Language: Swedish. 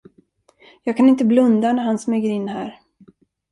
Jag kan inte blunda när han smyger in här.